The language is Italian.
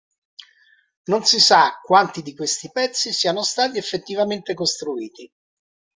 Non si sa quanti di questi pezzi siano stati effettivamente costruiti.